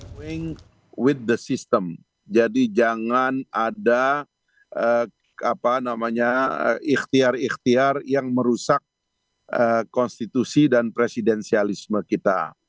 dengan sistem jadi jangan ada ikhtiar ikhtiar yang merusak konstitusi dan presidensialisme kita